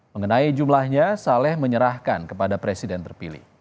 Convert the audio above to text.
mengenai jumlahnya saleh menyerahkan kepada presiden terpilih